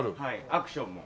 アクションも。